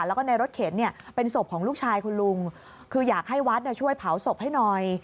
แล้วก็ในรถเข็นเนี่ยเป็นศพของลูกชายคุณลุงคืออยากให้วัดช่วยเผาศพให้หน่อย